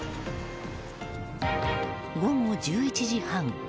午後１１時半。